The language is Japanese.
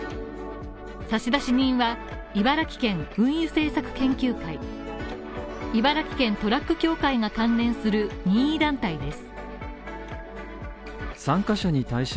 差出人は茨城県運輸政策研究会茨城県トラック協会が関連する任意団体です。